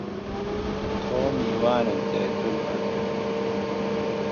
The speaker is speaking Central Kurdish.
تۆ میوانت دێ دولبەر